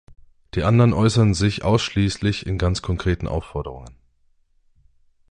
Die anderen äußern sich ausschließlich in ganz konkreten Aufforderungen.